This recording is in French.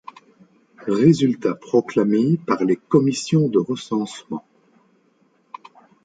Résultats proclamés par les commissions de recensement.